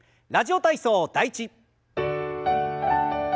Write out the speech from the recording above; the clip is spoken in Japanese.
「ラジオ体操第１」。